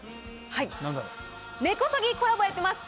根こそぎコラボやってます。